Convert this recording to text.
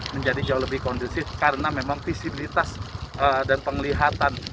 menjadi jauh lebih kondusif karena memang visibilitas dan penglihatan